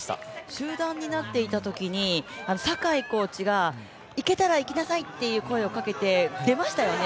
集団になっていたときにコーチが行けたら、行きなさいと声をかけましたよね。